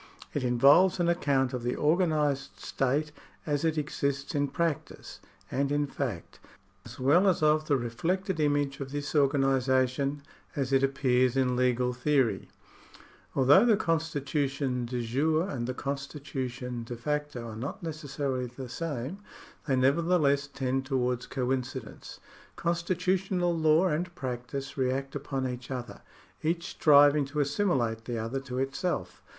It involves an account of the organised state as it exists in practice and in fact, as well as of the 110 THE STATE [§40 reflected image of this organisation as it appears in legal theor3\ Although the constitution de jure and the constitution de facto are not necessarily the same, they nevertheless tend towards coincidence. Constitutional law and practice react upon each other, each striving to assimilate the other to it self.